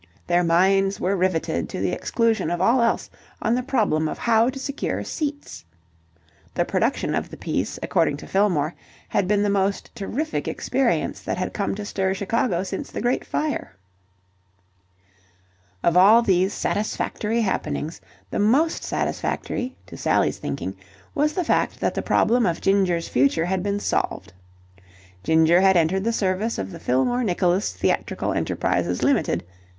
Their minds were riveted to the exclusion of all else on the problem of how to secure seats. The production of the piece, according to Fillmore, had been the most terrific experience that had come to stir Chicago since the great fire. Of all these satisfactory happenings, the most satisfactory, to Sally's thinking, was the fact that the problem of Ginger's future had been solved. Ginger had entered the service of the Fillmore Nicholas Theatrical Enterprises Ltd.